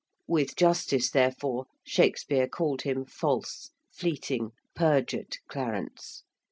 With justice, therefore, Shakespeare called him 'false, fleeting, perjured Clarence.